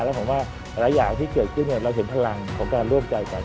แล้วผมว่าหลายอย่างที่เกิดขึ้นเราเห็นพลังของการร่วมใจกัน